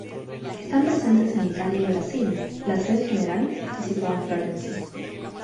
Están presentes en Italia y Brasil: la sede General está situada en Florencia.